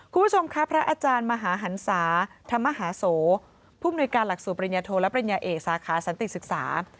คุณผู้ชมครับพระอาจารย์มหาหันศาธรรมหาโสผู้มนุยการหลักสูตรปริญญาโทและปริญญาเอกสาขาสันติศึกษา